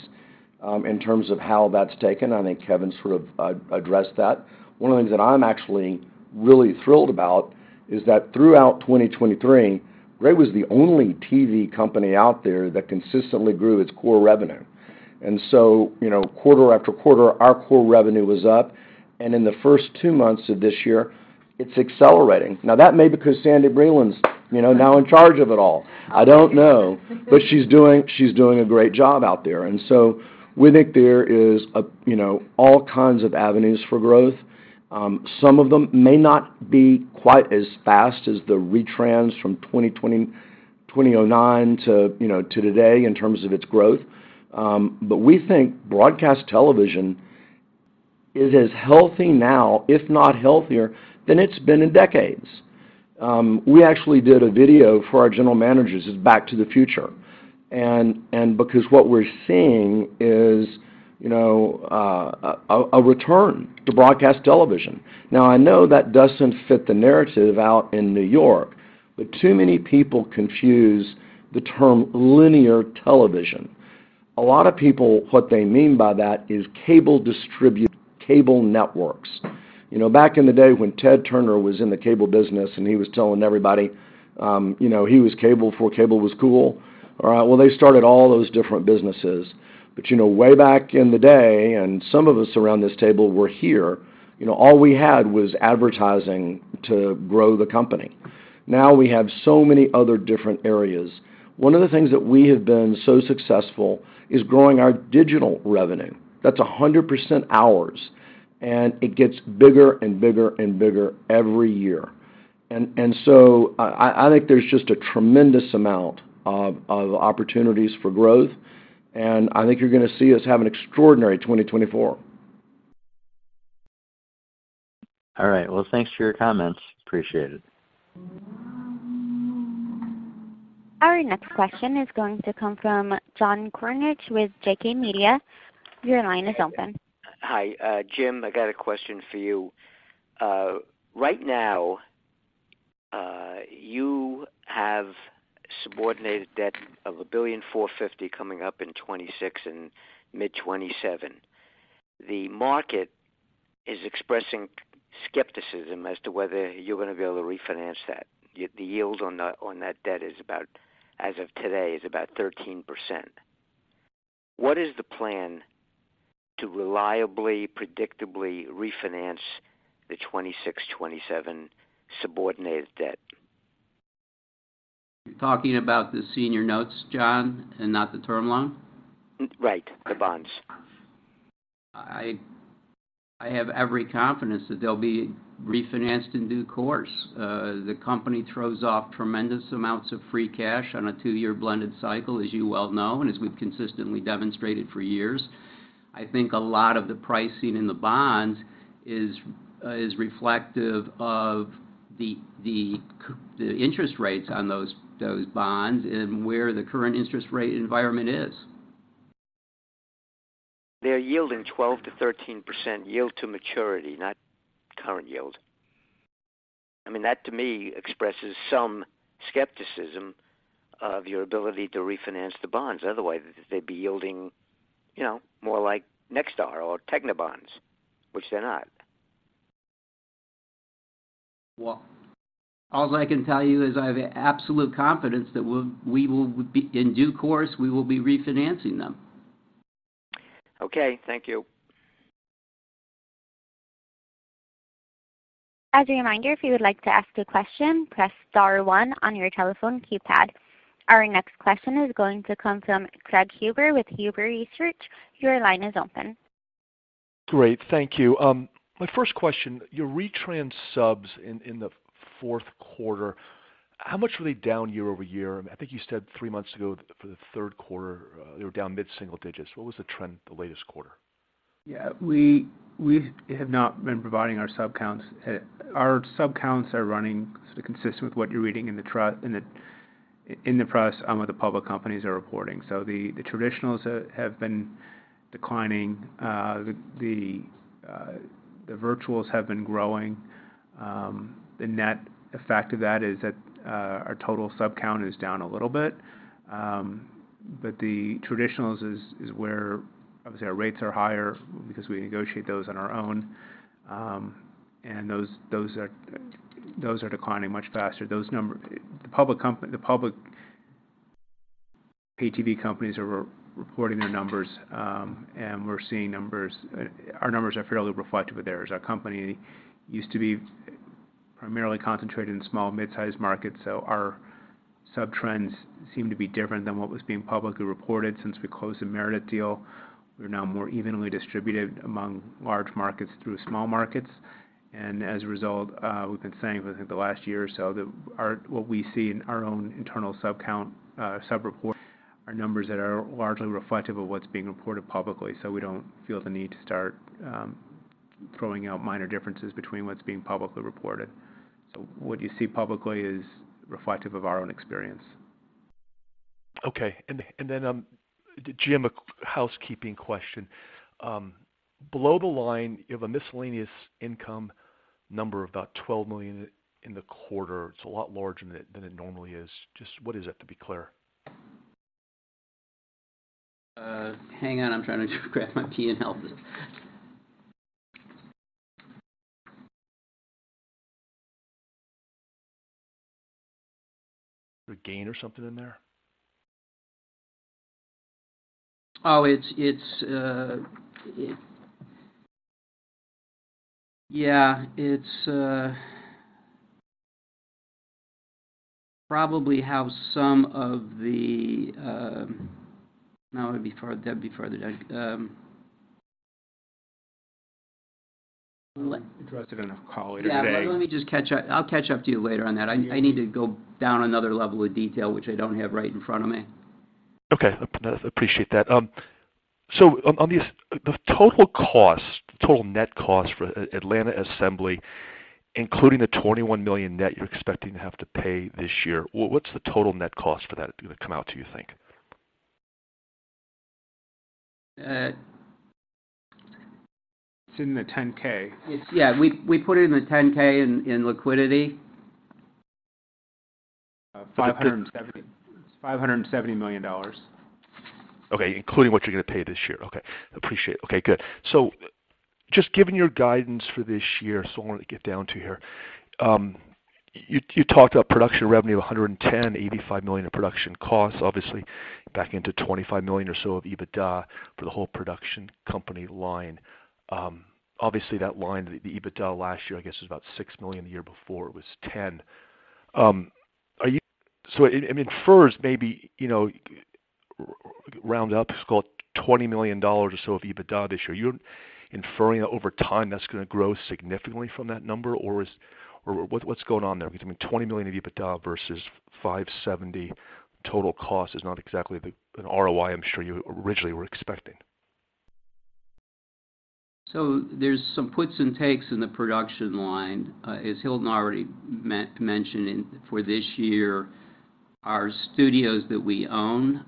in terms of how that's taken. I think Kevin sort of addressed that. One of the things that I'm actually really thrilled about is that throughout 2023, Gray was the only TV company out there that consistently grew its core revenue. And so quarter-after-quarter, our core revenue was up, and in the first two months of this year, it's accelerating. Now, that may be because Sandy Breland's now in charge of it all. I don't know, but she's doing a great job out there. And so we think there are all kinds of avenues for growth. Some of them may not be quite as fast as the retrans from 2009 to today in terms of its growth, but we think broadcast television is as healthy now, if not healthier, than it's been in decades. We actually did a video for our general managers. It's Back to the Future. Because what we're seeing is a return to broadcast television. Now, I know that doesn't fit the narrative out in New York, but too many people confuse the term linear television. A lot of people, what they mean by that is cable-distributed. Cable networks. Back in the day when Ted Turner was in the cable business and he was telling everybody he was cable for cable was cool, all right, well, they started all those different businesses. Way back in the day, and some of us around this table were here, all we had was advertising to grow the company. Now, we have so many other different areas. One of the things that we have been so successful is growing our digital revenue. That's 100% ours, and it gets bigger and bigger and bigger every year. So I think there's just a tremendous amount of opportunities for growth, and I think you're going to see us have an extraordinary 2024. All right. Well, thanks for your comments. Appreciate it. Our next question is going to come from John Kornreich with JK Media. Your line is open. Hi, Jim. I got a question for you. Right now, you have subordinated debt of $1.45 billion coming up in 2026 and mid-2027. The market is expressing skepticism as to whether you're going to be able to refinance that. The yield on that debt is about as of today, is about 13%. What is the plan to reliably, predictably refinance the 2026-2027 subordinated debt? Talking about the senior notes, John, and not the term loan? Right. The bonds. I have every confidence that they'll be refinanced in due course. The company throws off tremendous amounts of free cash on a two-year blended cycle, as you well know, and as we've consistently demonstrated for years. I think a lot of the pricing in the bonds is reflective of the interest rates on those bonds and where the current interest rate environment is. They're yielding 12%-13% yield to maturity, not current yield. I mean, that, to me, expresses some skepticism of your ability to refinance the bonds. Otherwise, they'd be yielding more like Nexstar or Tegna bonds, which they're not. Well, all I can tell you is I have absolute confidence that we will be in due course. We will be refinancing them. Okay. Thank you. As a reminder, if you would like to ask a question, press star one on your telephone keypad. Our next question is going to come from Craig Huber with Huber Research. Your line is open. Great. Thank you. My first question, your retrans subs in the fourth quarter, how much were they down year-over-year? I think you said three months ago for the third quarter, they were down mid-single digits. What was the trend the latest quarter? Yeah. We have not been providing our sub counts. Our sub counts are running sort of consistent with what you're reading in the press on what the public companies are reporting. So the traditionals have been declining. The virtuals have been growing. The net effect of that is that our total sub count is down a little bit. But the traditionals is where, obviously, our rates are higher because we negotiate those on our own, and those are declining much faster. The public PTV companies are reporting their numbers, and we're seeing, our numbers are fairly reflective of theirs. Our company used to be primarily concentrated in small, midsize markets, so our sub trends seem to be different than what was being publicly reported since we closed the Meredith deal. We're now more evenly distributed among large markets through small markets. As a result, we've been saying for the last year or so that what we see in our own internal sub count sub report are numbers that are largely reflective of what's being reported publicly, so we don't feel the need to start throwing out minor differences between what's being publicly reported. What you see publicly is reflective of our own experience. Okay. And then, Jim, a housekeeping question. Below the line, you have a miscellaneous income number of about $12 million in the quarter. It's a lot larger than it normally is. Just what is it, to be clear? Hang on. I'm trying to grab my key and help this. A gain or something in there? Oh, yeah. It's probably have some of the—no, that'd be further down. Interested in a colleague today. Yeah. Let me just catch up. I'll catch up to you later on that. I need to go down another level of detail, which I don't have right in front of me. Okay. Appreciate that. So on the total cost, total net cost for Assembly Atlanta, including the $21 million net you're expecting to have to pay this year, what's the total net cost for that going to come out to, you think? It's in the 10-K. Yeah. We put it in the 10-K in liquidity. 570, It's $570 million. Okay. Including what you're going to pay this year. Okay. Appreciate it. Okay. Good. So just giving your guidance for this year, so I want to get down to here. You talked about production revenue of $110 million, $85 million in production costs, obviously, back into $25 million or so of EBITDA for the whole production company line. Obviously, that line, the EBITDA last year, I guess, was about $6 million. The year before, it was $10 million. So it infers maybe round up, it's called $20 million or so of EBITDA this year. You're inferring that over time, that's going to grow significantly from that number, or what's going on there? I mean, $20 million of EBITDA versus $570 million total cost is not exactly an ROI, I'm sure, you originally were expecting. There's some puts and takes in the production line. As Hilton already mentioned, for this year, our studios that we own,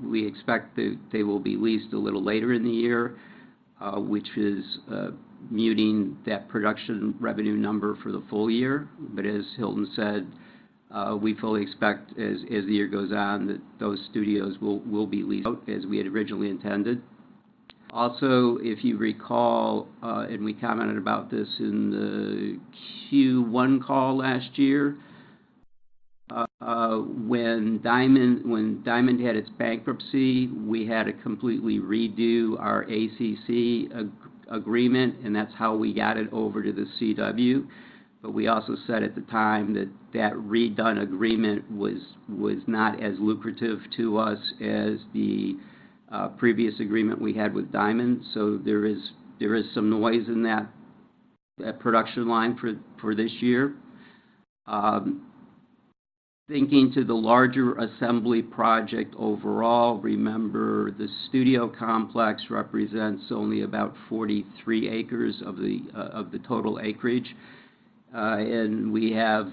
we expect they will be leased a little later in the year, which is muting that production revenue number for the full year. But as Hilton said, we fully expect, as the year goes on, that those studios will be leased out as we had originally intended. Also, if you recall, and we commented about this in the Q1 call last year, when Diamond had its bankruptcy, we had to completely redo our ACC agreement, and that's how we got it over to the CW. But we also said at the time that that redone agreement was not as lucrative to us as the previous agreement we had with Diamond. So there is some noise in that production line for this year. Thinking to the larger Assembly project overall, remember, the studio complex represents only about 43 acres of the total acreage. We have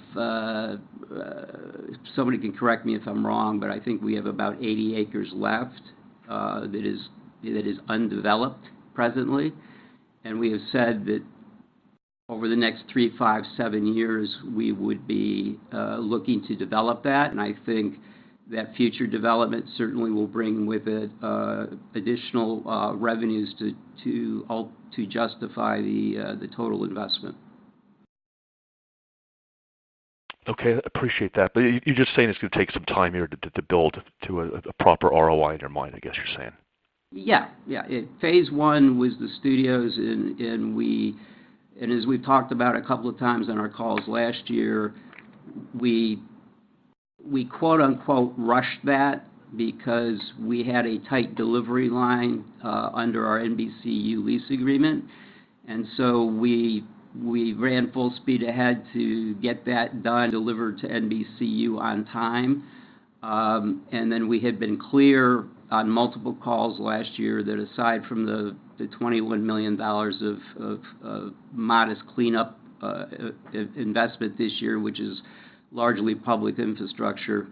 somebody can correct me if I'm wrong, but I think we have about 80 acres left that is undeveloped presently. We have said that over the next three, five, seven years, we would be looking to develop that. I think that future development certainly will bring with it additional revenues to justify the total investment. Okay. Appreciate that. But you're just saying it's going to take some time here to build to a proper ROI in your mind, I guess you're saying. Yeah. Yeah. Phase one was the studios, and as we've talked about a couple of times on our calls last year, we "rushed" that because we had a tight delivery line under our NBCU lease agreement. And so we ran full speed ahead to get that done. Delivered to NBCU on time. Then we had been clear on multiple calls last year that aside from the $21 million of modest cleanup investment this year, which is largely public infrastructure,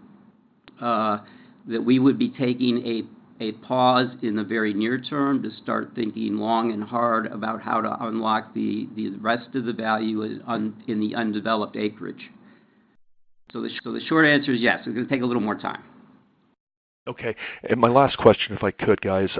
that we would be taking a pause in the very near term to start thinking long and hard about how to unlock the rest of the value in the undeveloped acreage. So the short answer is yes. It's going to take a little more time. Okay. My last question, if I could, guys.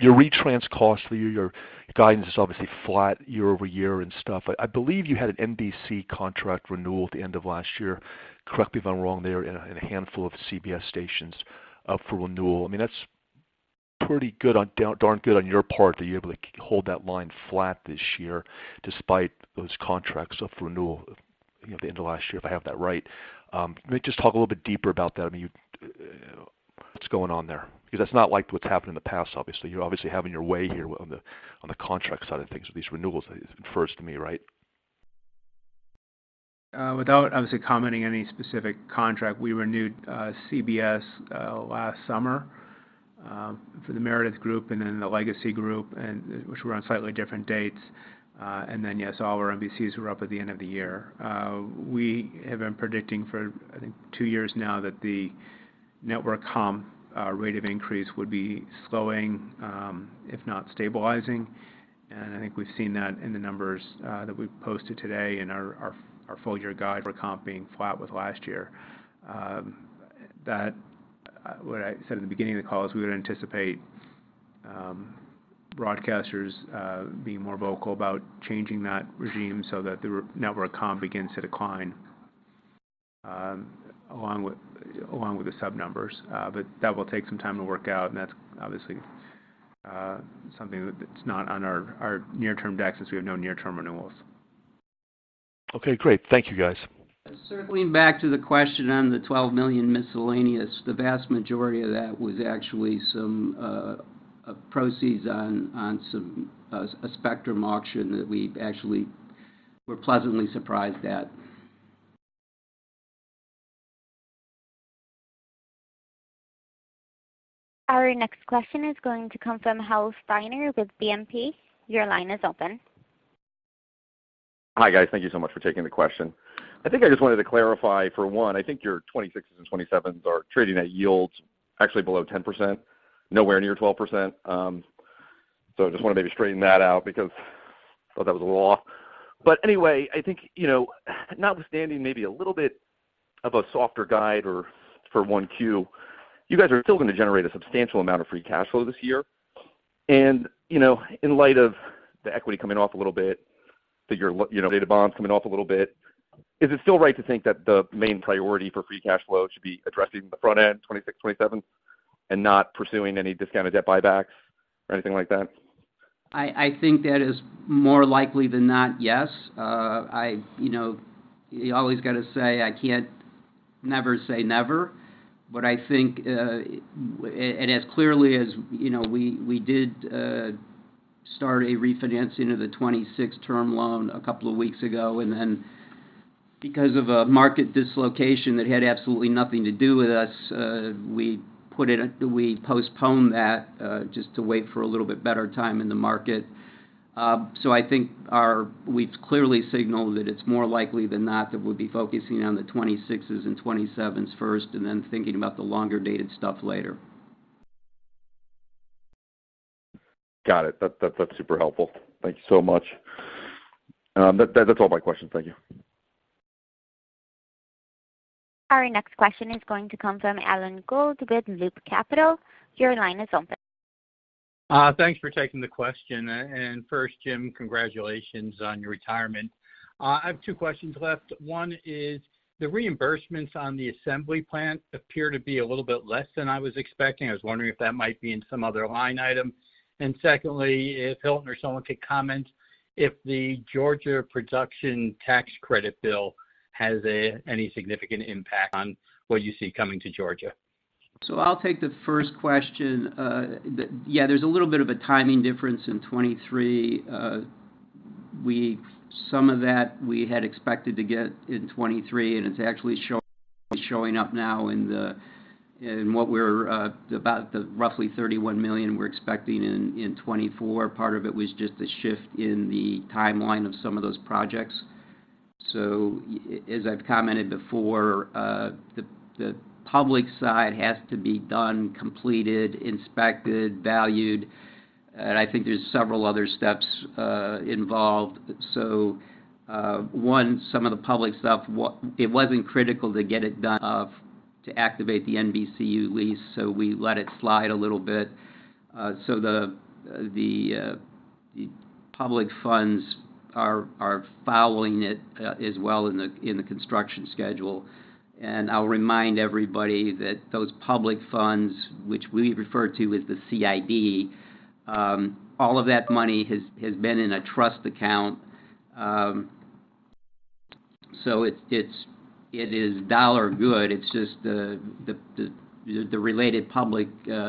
Your retrans costs for the year, your guidance is obviously flat year-over-year and stuff. I believe you had an NBC contract renewal at the end of last year. Correct me if I'm wrong there, in a handful of CBS stations for renewal. I mean, that's pretty good or darn good on your part that you're able to hold that line flat this year despite those contracts up for renewal at the end of last year, if I have that right. Maybe just talk a little bit deeper about that. I mean, what's going on there? Because that's not like what's happened in the past, obviously. You're obviously having your way here on the contract side of things with these renewals, it infers to me, right? Without, obviously, commenting any specific contract, we renewed CBS last summer for the Meredith Group and then the Legacy Group, which were on slightly different dates. And then, yes, all our NBCs were up at the end of the year. We have been predicting for, I think, two years now that the network comp rate of increase would be slowing, if not stabilizing. And I think we've seen that in the numbers that we posted today in our full-year guide. Comp being flat with last year. What I said at the beginning of the call is we would anticipate broadcasters being more vocal about changing that regime so that the network comp begins to decline along with the sub numbers. But that will take some time to work out, and that's, obviously, something that's not on our near-term decks since we have no near-term renewals. Okay. Great. Thank you, guys. Circling back to the question on the $12 million miscellaneous, the vast majority of that was actually some proceeds on a spectrum auction that we actually were pleasantly surprised at. Our next question is going to come from Hal Steiner with BNP. Your line is open. Hi, guys. Thank you so much for taking the question. I think I just wanted to clarify, for one, I think your 2026 and 2027 are trading at yields actually below 10%, nowhere near 12%. So I just want to maybe straighten that out because I thought that was a lot. But anyway, I think notwithstanding maybe a little bit of a softer guide for 1Q, you guys are still going to generate a substantial amount of free cash flow this year. And in light of the equity coming off a little bit, that your dated bonds coming off a little bit, is it still right to think that the main priority for free cash flow should be addressing the front end, 2026, 2027, and not pursuing any discounted debt buybacks or anything like that? I think that is more likely than not, yes. You always got to say, I can't never say never. But I think and as clearly as we did start a refinancing of the 2026 term loan a couple of weeks ago, and then because of a market dislocation that had absolutely nothing to do with us, we postponed that just to wait for a little bit better time in the market. So I think we've clearly signaled that it's more likely than not that we'd be focusing on the 2026s and 2027s first and then thinking about the longer-dated stuff later. Got it. That's super helpful. Thank you so much. That's all my questions. Thank you. Our next question is going to come from Alan Gould with Loop Capital. Your line is open. Thanks for taking the question. First, Jim, congratulations on your retirement. I have two questions left. One is the reimbursements on the Assembly plant appear to be a little bit less than I was expecting. I was wondering if that might be in some other line item. Secondly, if Hilton or someone could comment if the Georgia production tax credit bill has any significant impact on what you see coming to Georgia. I'll take the first question. Yeah, there's a little bit of a timing difference in 2023. Some of that we had expected to get in 2023, and it's actually showing up now in what we're about the roughly $31 million we're expecting in 2024. Part of it was just a shift in the timeline of some of those projects. So as I've commented before, the public side has to be done, completed, inspected, valued. And I think there's several other steps involved. So one, some of the public stuff, it wasn't critical to get it. To activate the NBCU lease, so we let it slide a little bit. So the public funds are following it as well in the construction schedule. And I'll remind everybody that those public funds, which we refer to as the CID, all of that money has been in a trust account. It is dollar good. It's just the related public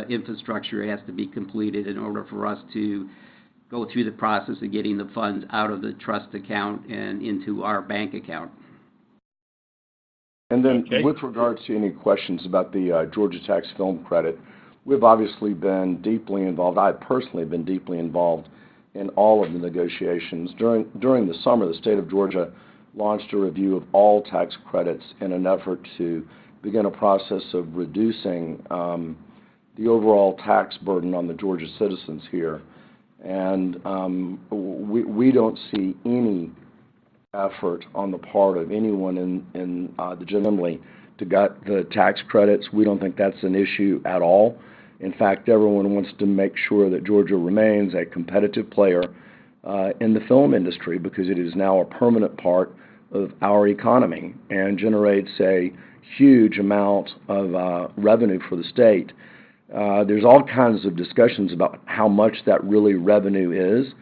infrastructure has to be completed in order for us to go through the process of getting the funds out of the trust account and into our bank account. With regards to any questions about the Georgia tax film credit, we've obviously been deeply involved. I have personally been deeply involved in all of the negotiations. During the summer, the state of Georgia launched a review of all tax credits in an effort to begin a process of reducing the overall tax burden on the Georgia citizens here. We don't see any effort on the part of anyone in the Assembly to get the tax credits, we don't think that's an issue at all. In fact, everyone wants to make sure that Georgia remains a competitive player in the film industry because it is now a permanent part of our economy and generates, say, huge amounts of revenue for the state. There's all kinds of discussions about how much that revenue really is.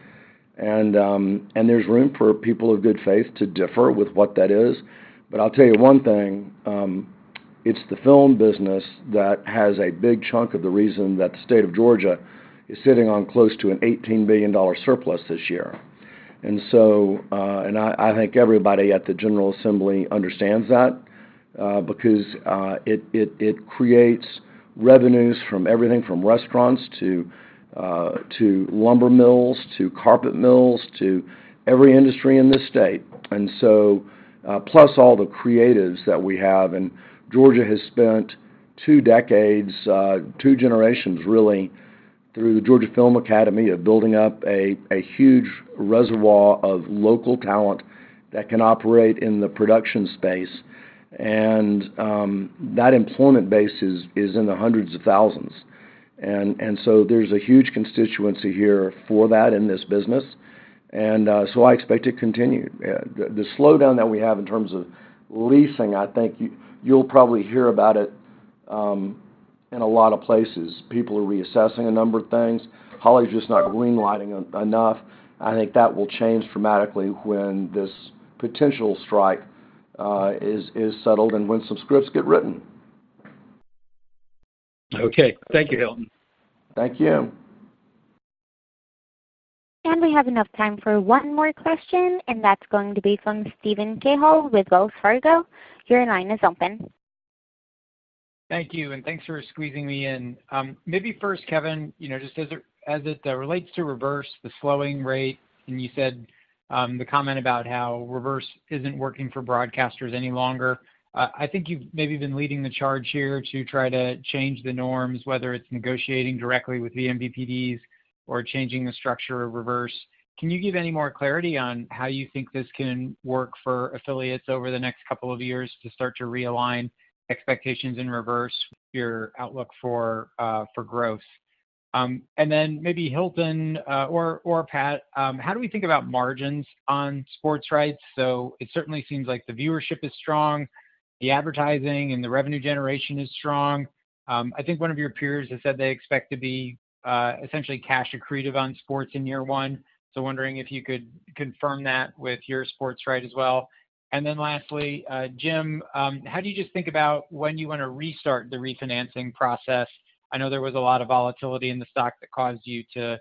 There's room for people of good faith to differ with what that is. But I'll tell you one thing. It's the film business that has a big chunk of the reason that the state of Georgia is sitting on close to an $18 billion surplus this year. I think everybody at the General Assembly understands that because it creates revenues from everything from restaurants to lumber mills to carpet mills to every industry in this state. And so plus all the creatives that we have. And Georgia has spent two decades, two generations, really, through the Georgia Film Academy of building up a huge reservoir of local talent that can operate in the production space. And that employment base is in the hundreds of thousands. And so there's a huge constituency here for that in this business. And so I expect it to continue. The slowdown that we have in terms of leasing, I think you'll probably hear about it in a lot of places. People are reassessing a number of things. Hollywood's just not greenlighting enough. I think that will change dramatically when this potential strike is settled and when some scripts get written. Okay. Thank you, Hilton. Thank you. We have enough time for one more question, and that's going to be from Steven Cahall with Wells Fargo. Your line is open. Thank you. Thanks for squeezing me in. Maybe first, Kevin, just as it relates to reverse, the slowing rate, and you said the comment about how reverse isn't working for broadcasters any longer. I think you've maybe been leading the charge here to try to change the norms, whether it's negotiating directly with the MVPDs or changing the structure of reverse. Can you give any more clarity on how you think this can work for affiliates over the next couple of years to start to realign expectations in reverse? Your outlook for growth. And then maybe Hilton or Pat, how do we think about margins on sports rights? So it certainly seems like the viewership is strong, the advertising, and the revenue generation is strong. I think one of your peers has said they expect to be essentially cash accretive on sports in year one. Wondering if you could confirm that with your sports rights as well. And then lastly, Jim, how do you just think about when you want to restart the refinancing process? I know there was a lot of volatility in the stock that caused you to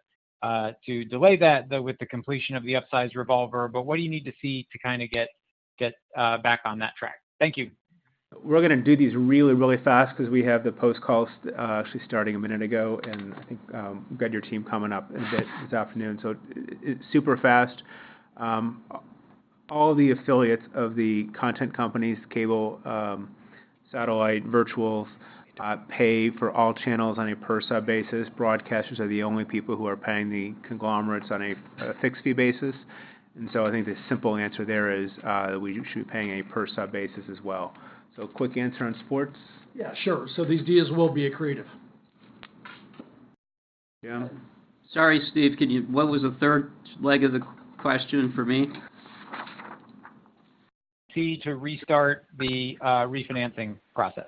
delay that, though, with the completion of the upsize revolver. But what do you need to see to kind of get back on that track? Thank you. We're going to do these really, really fast because we have the post-calls actually starting a minute ago. And I think we've got your team coming up in a bit this afternoon. So super fast. All the affiliates of the content companies, cable, satellite, virtuals, pay for all channels on a per sub basis. Broadcasters are the only people who are paying the conglomerates on a fixed fee basis. And so I think the simple answer there is we should be paying a per sub basis as well. So quick answer on sports? Yeah. Sure. So these deals will be accretive. Jim? Sorry, Steve. What was the third leg of the question for me? T to restart the refinancing process.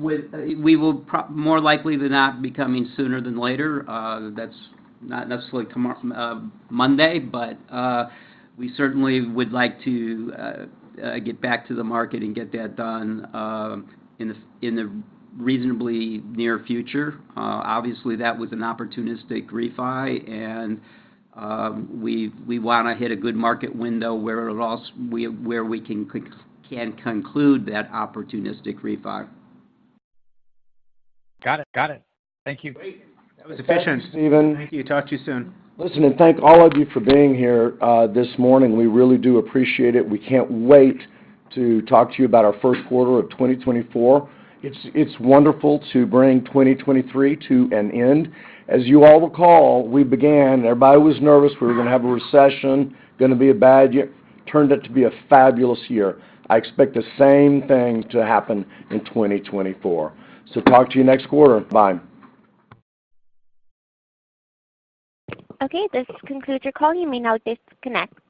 We will, more likely than not, be coming sooner than later. That's not necessarily Monday, but we certainly would like to get back to the market and get that done in the reasonably near future. Obviously, that was an opportunistic refi, and we want to hit a good market window where we can conclude that opportunistic refi. Got it. Got it. Thank you. Great. That was efficient, Steven. Thank you. Talk to you soon. Listen and thank all of you for being here this morning. We really do appreciate it. We can't wait to talk to you about our first quarter of 2024. It's wonderful to bring 2023 to an end. As you all recall, we began; everybody was nervous. We were going to have a recession, going to be a bad year. Turned out to be a fabulous year. I expect the same thing to happen in 2024. So talk to you next quarter. Bye. Okay. This concludes your call. You may now disconnect.